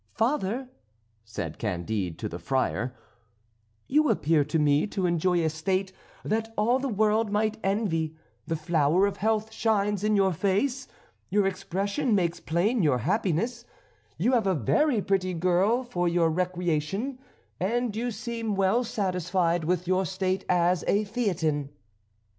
"Father," said Candide to the Friar, "you appear to me to enjoy a state that all the world might envy; the flower of health shines in your face, your expression makes plain your happiness; you have a very pretty girl for your recreation, and you seem well satisfied with your state as a Theatin."